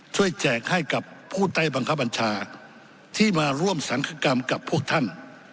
แจกให้กับผู้ใต้บังคับบัญชาที่มาร่วมสังคกรรมกับพวกท่าน